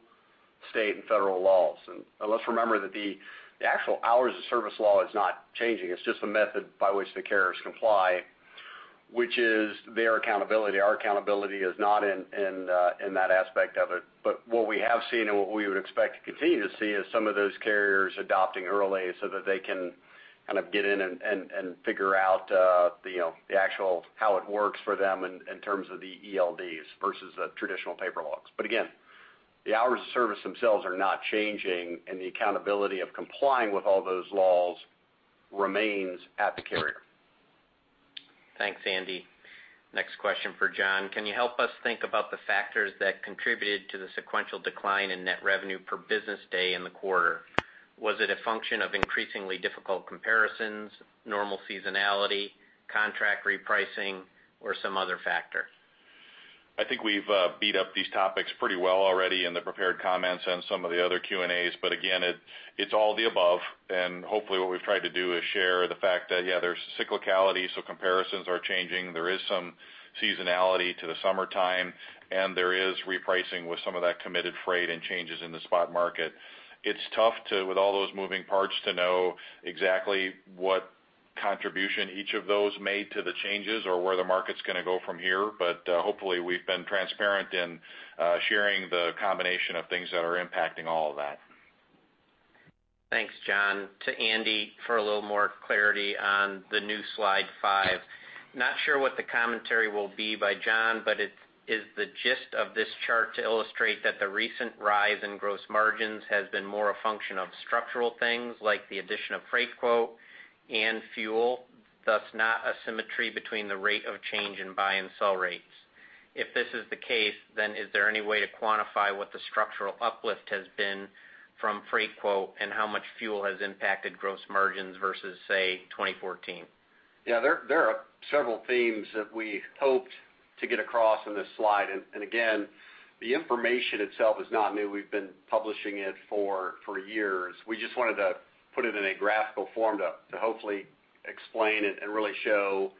state, and federal laws. Let's remember that the actual hours of service law is not changing. It's just a method by which the carriers comply, which is their accountability. Our accountability is not in that aspect of it. What we have seen and what we would expect to continue to see is some of those carriers adopting early so that they can kind of get in and figure out the actual how it works for them in terms of the ELDs versus the traditional paper logs. Again, the hours of service themselves are not changing, and the accountability of complying with all those laws remains at the carrier.
Thanks, Andy. Next question for John. Can you help us think about the factors that contributed to the sequential decline in net revenue per business day in the quarter? Was it a function of increasingly difficult comparisons, normal seasonality, contract repricing, or some other factor?
I think we've beat up these topics pretty well already in the prepared comments on some of the other Q&As. Again, it's all the above, and hopefully what we've tried to do is share the fact that, yeah, there's cyclicality, so comparisons are changing. There is some seasonality to the summertime, and there is repricing with some of that committed freight and changes in the spot market. It's tough, with all those moving parts, to know exactly what contribution each of those made to the changes or where the market's going to go from here. Hopefully, we've been transparent in sharing the combination of things that are impacting all of that.
Thanks, John. To Andy for a little more clarity on the new slide five. Not sure what the commentary will be by John, is the gist of this chart to illustrate that the recent rise in gross margins has been more a function of structural things like the addition of Freightquote.com and fuel, thus not a symmetry between the rate of change in buy and sell rates? If this is the case, then is there any way to quantify what the structural uplift has been from Freightquote.com and how much fuel has impacted gross margins versus, say, 2014?
There are several themes that we hoped to get across on this slide. Again, the information itself is not new. We've been publishing it for years. We just wanted to put it in a graphical form to hopefully explain it and really show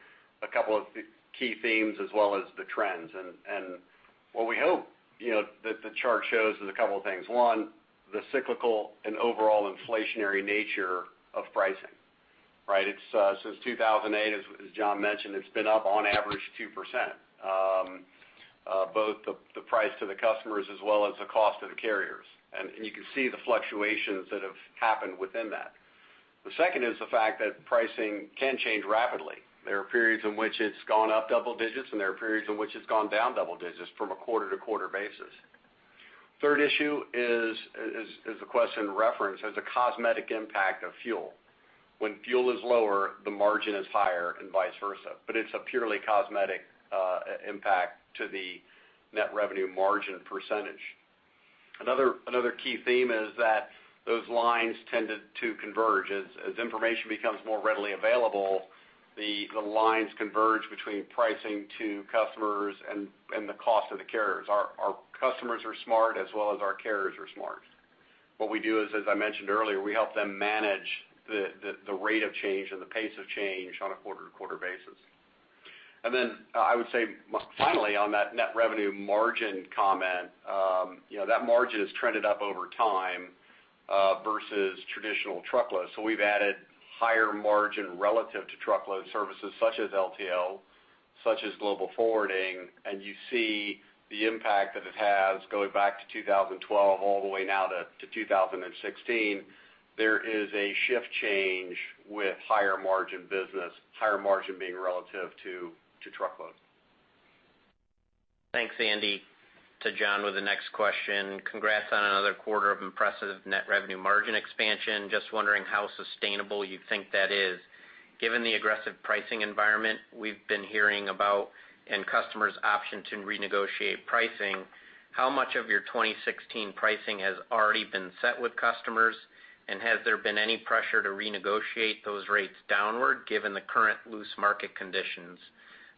a couple of key themes as well as the trends. What we hope that the chart shows is a couple of things. One, the cyclical and overall inflationary nature of pricing. Right. Since 2008, as John mentioned, it's been up on average 2%, both the price to the customers as well as the cost of the carriers. You can see the fluctuations that have happened within that. The second is the fact that pricing can change rapidly. There are periods in which it's gone up double digits, and there are periods in which it's gone down double digits from a quarter-to-quarter basis. Third issue is the question of reference as a cosmetic impact of fuel. When fuel is lower, the margin is higher and vice versa, but it's a purely cosmetic impact to the net revenue margin percentage. Another key theme is that those lines tend to converge. As information becomes more readily available, the lines converge between pricing to customers and the cost of the carriers. Our customers are smart as well as our carriers are smart. What we do is, as I mentioned earlier, we help them manage the rate of change and the pace of change on a quarter-to-quarter basis. Then I would say, finally, on that net revenue margin comment, that margin has trended up over time, versus traditional truckload. We've added higher margin relative to truckload services such as LTL, such as global forwarding. You see the impact that it has going back to 2012 all the way now to 2016. There is a shift change with higher margin business, higher margin being relative to truckload.
Thanks, Andy. To John with the next question. Congrats on another quarter of impressive net revenue margin expansion. Just wondering how sustainable you think that is. Given the aggressive pricing environment we've been hearing about and customers' option to renegotiate pricing, how much of your 2016 pricing has already been set with customers? Has there been any pressure to renegotiate those rates downward given the current loose market conditions?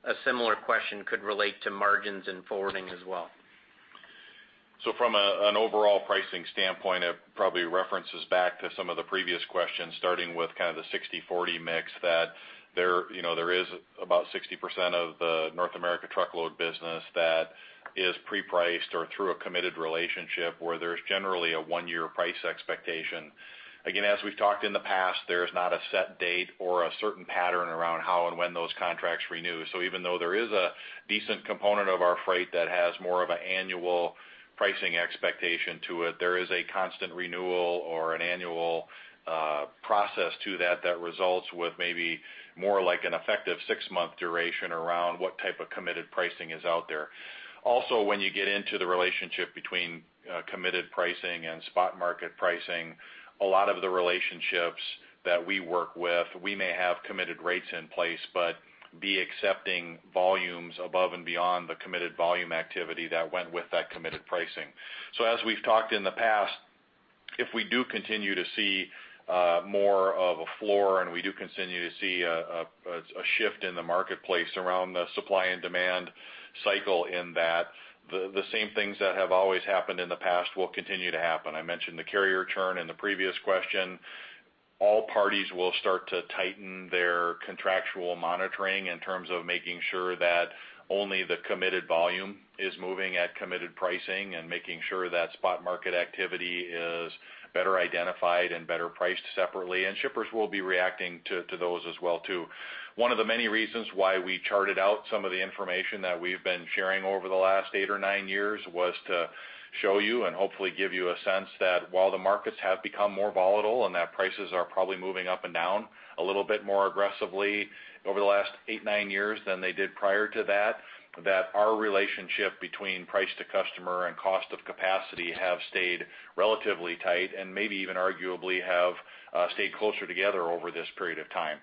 A similar question could relate to margins in forwarding as well.
From an overall pricing standpoint, it probably references back to some of the previous questions, starting with kind of the 60/40 mix that there is about 60% of the North America truckload business that is pre-priced or through a committed relationship where there's generally a one-year price expectation. Again, as we've talked in the past, there is not a set date or a certain pattern around how and when those contracts renew. Even though there is a decent component of our freight that has more of an annual pricing expectation to it, there is a constant renewal or an annual process to that results with maybe more like an effective six-month duration around what type of committed pricing is out there. Also, when you get into the relationship between committed pricing and spot market pricing, a lot of the relationships that we work with, we may have committed rates in place, but be accepting volumes above and beyond the committed volume activity that went with that committed pricing. As we've talked in the past, if we do continue to see more of a floor, and we do continue to see a shift in the marketplace around the supply and demand cycle in that, the same things that have always happened in the past will continue to happen. I mentioned the carrier churn in the previous question. All parties will start to tighten their contractual monitoring in terms of making sure that only the committed volume is moving at committed pricing and making sure that spot market activity is better identified and better priced separately, and shippers will be reacting to those as well, too. One of the many reasons why we charted out some of the information that we've been sharing over the last eight or nine years was to show you and hopefully give you a sense that while the markets have become more volatile and that prices are probably moving up and down a little bit more aggressively over the last eight, nine years than they did prior to that our relationship between price to customer and cost of capacity have stayed relatively tight and maybe even arguably have stayed closer together over this period of time.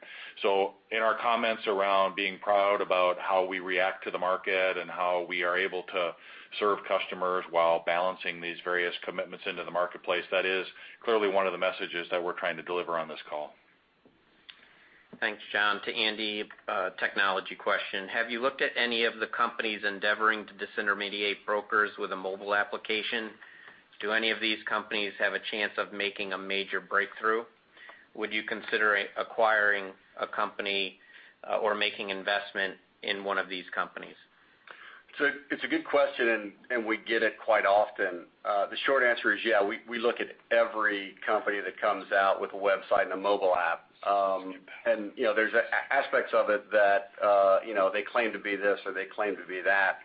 In our comments around being proud about how we react to the market and how we are able to serve customers while balancing these various commitments into the marketplace, that is clearly one of the messages that we're trying to deliver on this call.
Thanks, John. To Andy, a technology question. Have you looked at any of the companies endeavoring to disintermediate brokers with a mobile application? Do any of these companies have a chance of making a major breakthrough? Would you consider acquiring a company or making investment in one of these companies?
It's a good question. We get it quite often. The short answer is, yeah, we look at every company that comes out with a website and a mobile app. There's aspects of it that they claim to be this, or they claim to be that.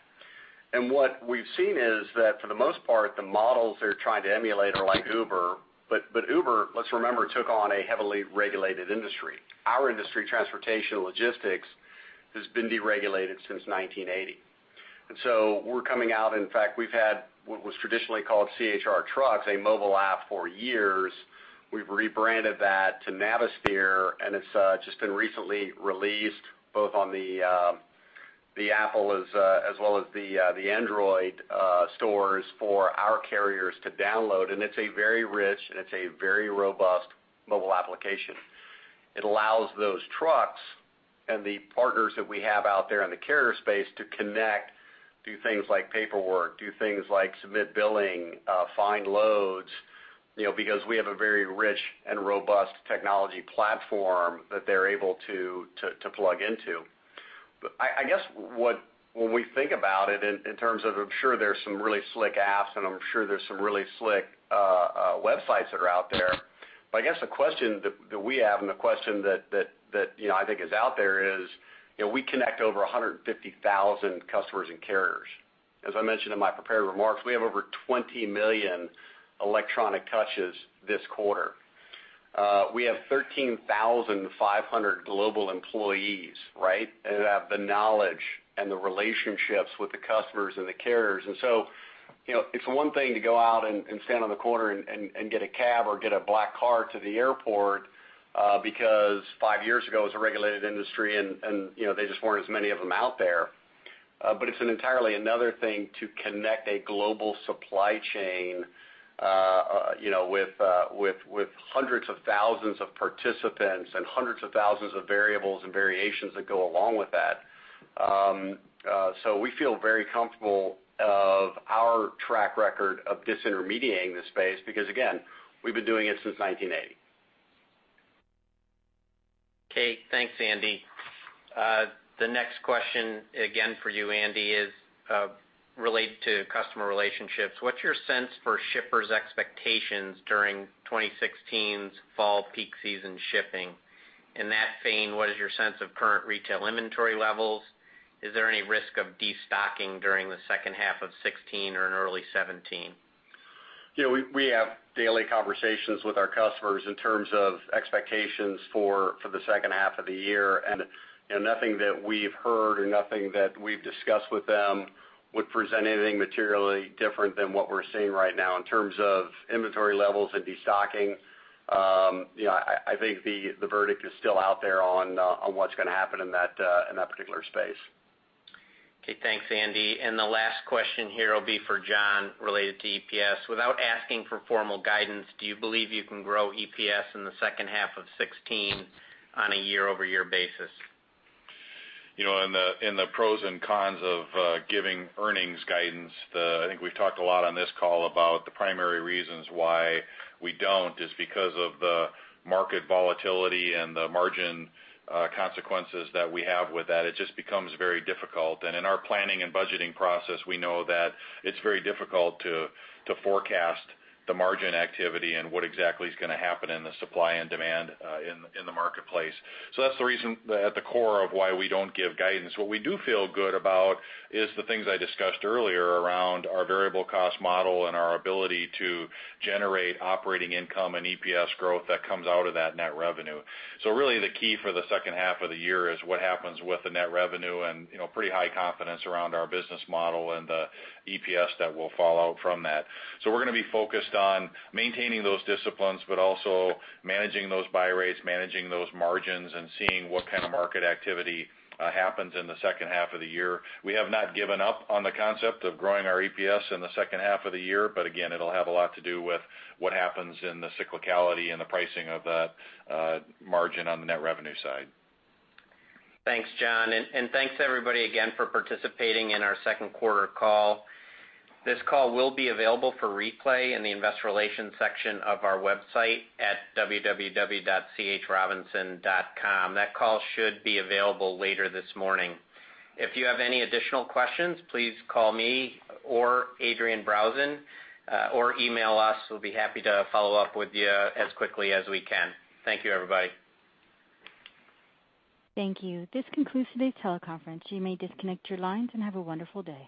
What we've seen is that for the most part, the models they're trying to emulate are like Uber, but Uber, let's remember, took on a heavily regulated industry. Our industry, transportation logistics, has been deregulated since 1980. We're coming out, in fact, we've had what was traditionally called CHRWTrucks, a mobile app for years. We've rebranded that to Navisphere, and it's just been recently released both on the Apple as well as the Android stores for our carriers to download, and it's a very rich, and it's a very robust mobile application. It allows those trucks and the partners that we have out there in the carrier space to connect, do things like paperwork, do things like submit billing, find loads, because we have a very rich and robust technology platform that they're able to plug into. I guess when we think about it in terms of, I'm sure there's some really slick apps, and I'm sure there's some really slick websites that are out there. I guess the question that we have, and the question that I think is out there is, we connect over 150,000 customers and carriers. As I mentioned in my prepared remarks, we have over 20 million electronic touches this quarter. We have 13,500 global employees that have the knowledge and the relationships with the customers and the carriers. It's one thing to go out and stand on the corner and get a cab or get a black car to the airport because five years ago, it was a regulated industry, and there just weren't as many of them out there. It's an entirely another thing to connect a global supply chain with hundreds of thousands of participants and hundreds of thousands of variables and variations that go along with that. We feel very comfortable of our track record of disintermediating the space because, again, we've been doing it since 1980.
Okay. Thanks, Andy. The next question, again for you, Andy, is related to customer relationships. What's your sense for shippers' expectations during 2016's fall peak season shipping? In that vein, what is your sense of current retail inventory levels? Is there any risk of de-stocking during the second half of 2016 or in early 2017?
We have daily conversations with our customers in terms of expectations for the second half of the year. Nothing that we've heard or nothing that we've discussed with them would present anything materially different than what we're seeing right now in terms of inventory levels and de-stocking. I think the verdict is still out there on what's going to happen in that particular space.
Okay. Thanks, Andy. The last question here will be for John, related to EPS. Without asking for formal guidance, do you believe you can grow EPS in the second half of 2016 on a year-over-year basis?
In the pros and cons of giving earnings guidance, I think we've talked a lot on this call about the primary reasons why we don't is because of the market volatility and the margin consequences that we have with that. It just becomes very difficult. In our planning and budgeting process, we know that it's very difficult to forecast the margin activity and what exactly is going to happen in the supply and demand in the marketplace. That's the reason at the core of why we don't give guidance. What we do feel good about is the things I discussed earlier around our variable cost model and our ability to generate operating income and EPS growth that comes out of that net revenue. Really, the key for the second half of the year is what happens with the net revenue and pretty high confidence around our business model and the EPS that will fall out from that. We're going to be focused on maintaining those disciplines, but also managing those buy rates, managing those margins, and seeing what kind of market activity happens in the second half of the year. We have not given up on the concept of growing our EPS in the second half of the year, but again, it'll have a lot to do with what happens in the cyclicality and the pricing of that margin on the net revenue side.
Thanks, John. Thanks, everybody, again, for participating in our second quarter call. This call will be available for replay in the investor relations section of our website at www.chrobinson.com. That call should be available later this morning. If you have any additional questions, please call me or Adrienne Brausen, or email us. We'll be happy to follow up with you as quickly as we can. Thank you, everybody.
Thank you. This concludes today's teleconference. You may disconnect your lines, and have a wonderful day.